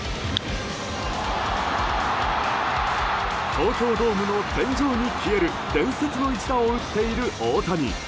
東京ドームの天井に消える伝説の一打を打っている大谷。